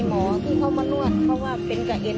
หมอที่เขามานวดเพราะว่าเป็นกระเอ็น